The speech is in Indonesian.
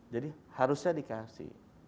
jadi harusnya dikasih